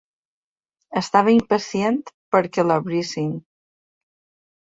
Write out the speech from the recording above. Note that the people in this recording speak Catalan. Estava impacient perquè l'obrissin.